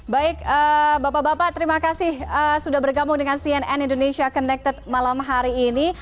baik bapak bapak terima kasih sudah bergabung dengan cnn indonesia connected malam hari ini